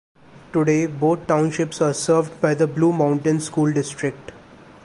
Today both townships are served by the Blue Mountain School District.